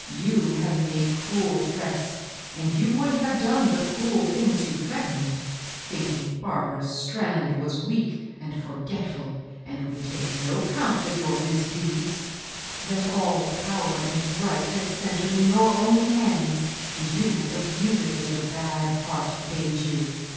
you have made cruel threats, and you would have done the cruel things you threatened, thinking Barbara Strand was weak and forgetful, and would take no count of your misdeeds ; that all power and right had cen tered in your own hands, and you might abuse it as your bad heart bade you.